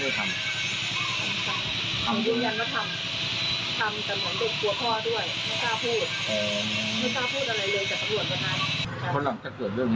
ออกไปด้วยกันทั้งคู่เลย